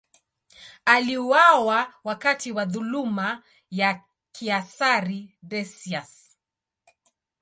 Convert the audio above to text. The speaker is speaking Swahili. Aliuawa wakati wa dhuluma ya kaisari Decius.